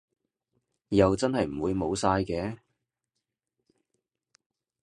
又真係唔會冇晒嘅